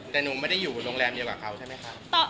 แต่หนูไม่ได้อยู่โรงแรมเดียวกับเขาใช่ไหมคะ